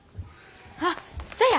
あっそや！